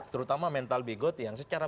terutama mental begot yang secara